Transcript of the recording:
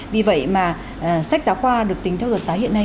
vì vậy mà sách giáo khoa được tính theo luật giá hiện nay